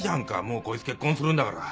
もうこいつ結婚するんだから。